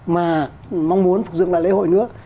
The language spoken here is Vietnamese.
mà mong muốn phục dụng lại lễ hội nữa